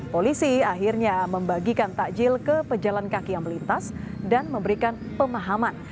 polisi akhirnya membagikan takjil ke pejalan kaki yang melintas dan memberikan pemahaman